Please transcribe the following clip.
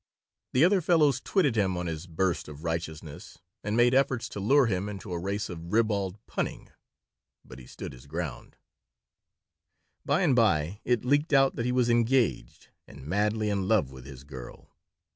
The other fellows twitted him on his burst of "righteousness" and made efforts to lure him into a race of ribald punning, but he stood his ground By and by it leaked out that he was engaged and madly in love with his girl.